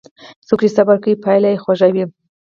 څوک چې صبر کوي، پایله یې خوږه وي.